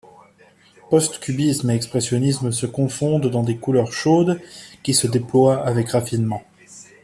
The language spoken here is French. Post-cubisme et expressionnisme se confondent dans des couleurs chaudes qui se déploient avec raffinement.